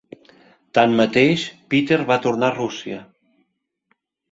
Tanmateix, Peter va tornar a Rússia.